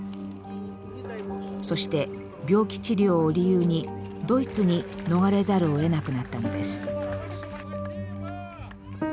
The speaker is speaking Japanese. そして病気治療を理由にドイツに逃れざるをえなくなったのです。